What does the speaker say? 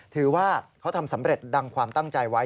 ถือว่าเขาทำสำเร็จดังความตั้งใจไว้